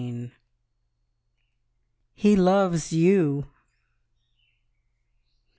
HE LOVES YOU.